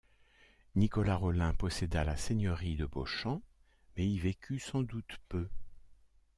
Nicolas Rolin posséda la seigneurie de Beauchamp mais y vécut sans doute peu.